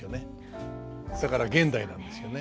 だから現代なんですよね。